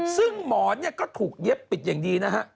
ซึ่งหมอนเนี่ยก็ถูกเย็บปิดอย่างดีนะฮะ